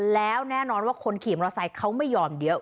แล้วแน่นอนว่าคนขี่มรถไซค์เขาไม่ยอมเดี๋ยว